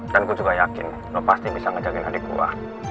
dan gue juga yakin lo pasti bisa ngejagain adik gue